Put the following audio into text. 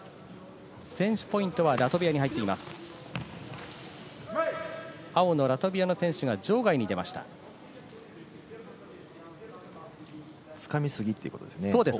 先取ポイントはラトビアに入っています。